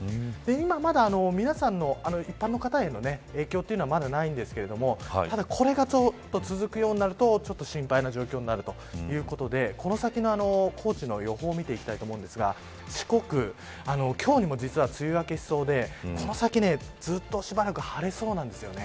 今まだ皆さんの、一般の方への影響っていうのはないんですがこれがちょっと続くようになると心配な状況になるということでこの先の高知の予報を見ていきたいと思うんですが四国、今日にも実は梅雨明けしそうでこの先、ずっとしばらく晴れそうなんです。